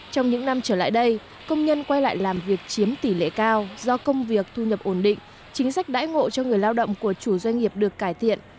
trong những năm trở lại đây công nhân quay lại làm việc chiếm tỷ lệ cao do công việc thu nhập ổn định chính sách đãi ngộ cho người lao động của chủ doanh nghiệp được cải thiện